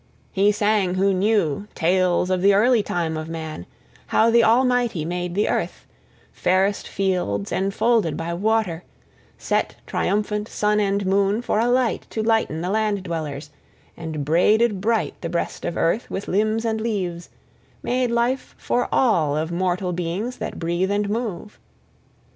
He sang who knew {1d} tales of the early time of man, how the Almighty made the earth, fairest fields enfolded by water, set, triumphant, sun and moon for a light to lighten the land dwellers, and braided bright the breast of earth with limbs and leaves, made life for all of mortal beings that breathe and move.